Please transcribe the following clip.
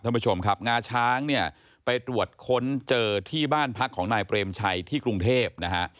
ท่านผู้ชมครับงาช้างเนี่ยไปตรวจค้นเจอที่บ้านพักของนายเปรมชัยที่กรุงเทพนะฮะ